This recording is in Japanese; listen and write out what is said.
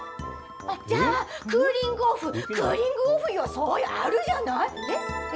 じゃあ、クーリングオフ、クーリングオフよ、それがあるじゃない？え？